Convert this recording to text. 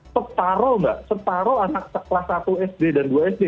separo mbak setaro anak kelas satu sd dan dua sd